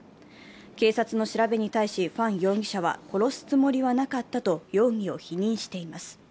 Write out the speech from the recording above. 警察の調べに対しファン容疑者は、殺すつもりはなかったと容疑を否認しています。